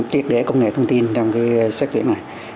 triệt để công nghệ thông tin trong cái sách tuyển này